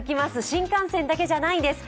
新幹線だけじゃないんです。